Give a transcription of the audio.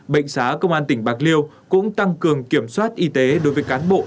bệnh xá công an tỉnh bạc liêu cũng tăng cường kiểm soát y tế đối với cán bộ